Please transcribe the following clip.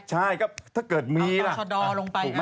ใช่ครับถ้าเกิดมีล่ะ